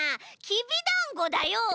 きびだんごだよ。